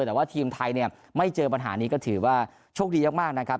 แต่ว่าทีมไทยเนี่ยไม่เจอปัญหานี้ก็ถือว่าโชคดีมากนะครับ